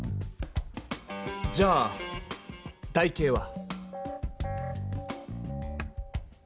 じゃあ台形は。